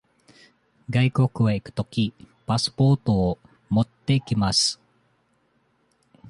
外国へ行くとき、パスポートを持って行きます。